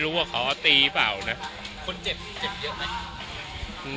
คนเจ็บเจ็บเยอะมั้ย